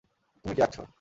তুমি কী আঁকছ?